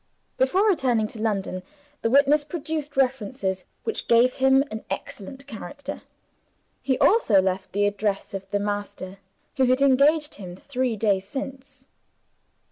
Before returning to London, the witness produced references which gave him an excellent character. He also left the address of the master who had engaged him three days since.